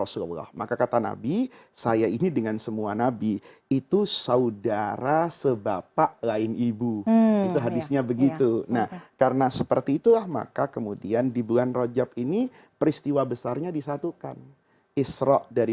supaya insya allah nanti kita akan bahas terkait zakat